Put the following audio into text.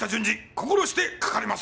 心してかかります！